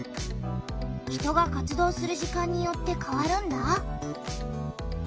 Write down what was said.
人が活動する時間によってかわるんだ。